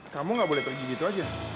kamu gak boleh pergi gitu aja